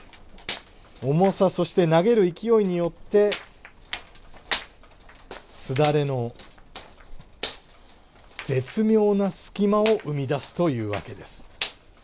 重さそして投げる勢いによって簾の絶妙な隙間を生み出すというわけです。